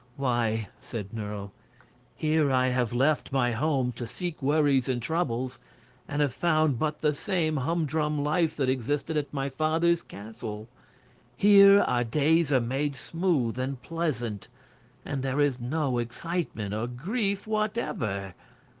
"Why," said Nerle, "here I have left my home to seek worries and troubles, and have found but the same humdrum life that existed at my father's castle. Here our days are made smooth and pleasant, and there is no excitement or grief, whatever.